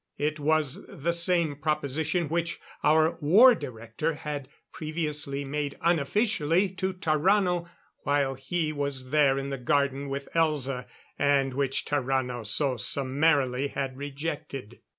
It was the same proposition which our War Director had previously made unofficially to Tarrano while he was there in the garden with Elza and which Tarrano so summarily had rejected.